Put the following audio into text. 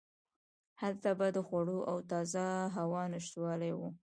هلته به د خوړو او تازه هوا نشتوالی و.